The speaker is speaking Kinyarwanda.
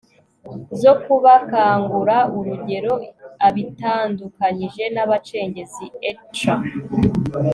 zo kubakangura, urugero-abitandukanyije n'abacengezi etc.